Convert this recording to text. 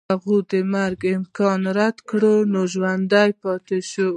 هغه د مرګ امکان رد کړ نو ژوندی پاتې شو.